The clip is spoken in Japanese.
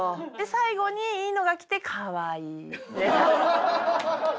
最後にいいのがきて「かわいい」みたいな。